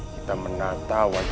kita menantauan ibumu